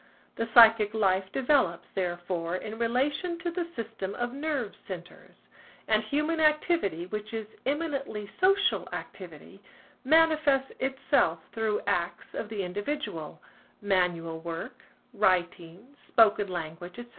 The psychic life develops, therefore, in relation to the system of nerve centres; and human activity which is eminently social activity, manifests itself through acts of the individual–manual work, writing, spoken language, etc.